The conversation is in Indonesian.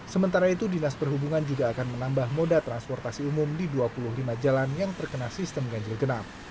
sementara itu dinas perhubungan juga akan menambah moda transportasi umum di dua puluh lima jalan yang terkena sistem ganjil genap